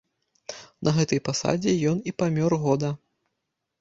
На гэтай пасадзе ён і памёр года.